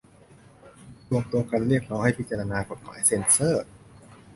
รวมตัวกันเรียกร้องให้พิจารณากฎหมายเซ็นเซอร์